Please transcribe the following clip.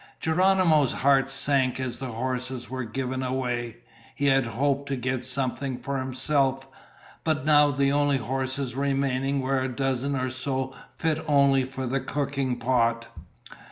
Geronimo's heart sank as the horses were given away. He had hoped to get something for himself, but now the only horses remaining were a dozen or so fit only for the cooking pot.